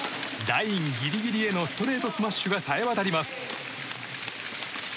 ラインギリギリへのストレートスマッシュがさえ渡ります。